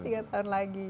tiga tahun lagi